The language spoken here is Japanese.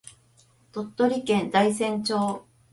鳥取県大山町